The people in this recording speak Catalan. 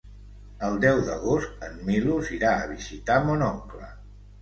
El deu d'agost en Milos irà a visitar mon oncle.